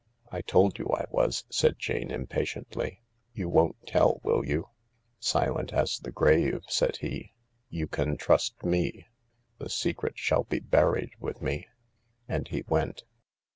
" I told you I was/' said Jane impatiently, " You won't tell, will you ?"" Silent as the grave," said he. " You can trust me. The secret shall be buried with me." And he went.